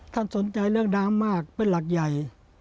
สนใจเรื่องน้ำมากเป็นหลักใหญ่